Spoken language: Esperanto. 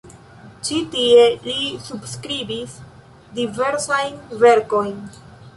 Ĉi tie li subskribis diversajn verkojn.